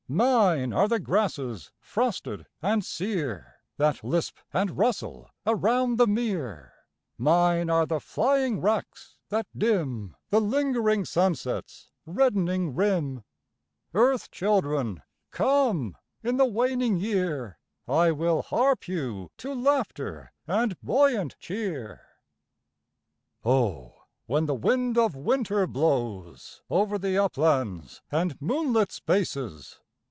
Mine are the grasses frosted and sere, 83 That lisp and rustle around the mere, Mine are the flying racks that dim The lingering sunset's reddening rim, Earth children, come, in the waning year, I will harp you to laughter and buoyant cheer. Ho, when the wind of winter blows Over the uplands and moonlit spaces.